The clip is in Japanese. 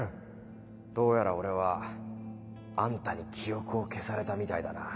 どうやら俺はあんたに記憶を消されたみたいだな。